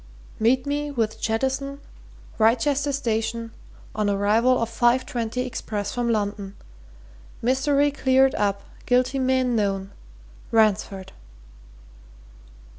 "Meet me with Jettison Wrychester Station on arrival of five twenty express from London mystery cleared up guilty men known Ransford."